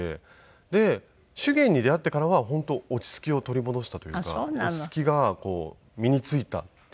で手芸に出会ってからは本当落ち着きを取り戻したというか落ち着きが身についたっていう感じなんですよね。